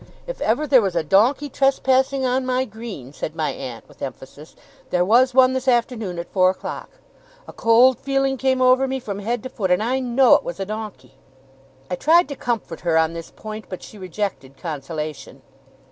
If ever there was a donkey trespassing on my green,' said my aunt, with emphasis, 'there was one this afternoon at four o'clock. A cold feeling came over me from head to foot, and I know it was a donkey!' I tried to comfort her on this point, but she rejected consolation.